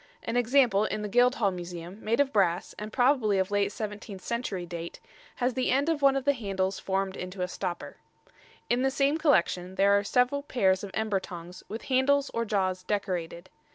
An example in the Guildhall Museum, made of brass, and probably of late seventeenth century date, has the end of one of the handles formed into a stopper. In the same collection there are several pairs of ember tongs with handles or jaws decorated.